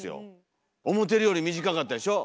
思てるより短かったでしょ？